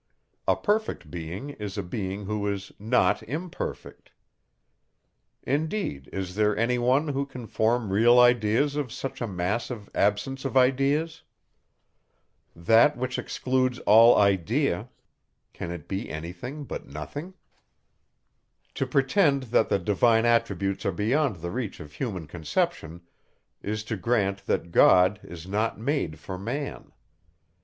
A perfect being is a being, who is not imperfect. Indeed, is there any one, who can form real ideas of such a mass of absence of ideas? That, which excludes all idea, can it be any thing but nothing? To pretend, that the divine attributes are beyond the reach of human conception, is to grant, that God is not made for man.